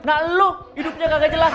nah lu hidupnya kagak jelas